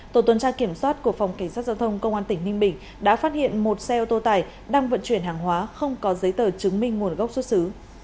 tổ tuần tra kiểm soát của phòng cảnh sát giao thông công an tỉnh ninh bình đã phát hiện một xe ô tô tải đang vận chuyển hàng hóa không có giấy tờ chứng minh nguồn gốc xuất xứ